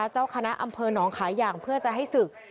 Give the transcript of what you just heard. เจ้าคณะอำเภอหนองขายอย่างเพื่อจะให้ศึก